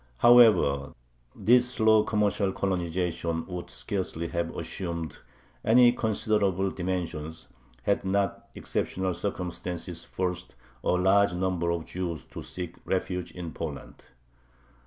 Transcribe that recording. However, this slow commercial colonization would scarcely have assumed any considerable dimensions, had not exceptional circumstances forced a large number of Jews to seek refuge in Poland.